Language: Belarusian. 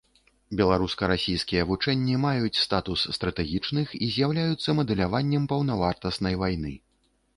Беларуска-расійскія вучэнні маюць статус стратэгічных і з'яўляюцца мадэляваннем паўнавартаснай вайны.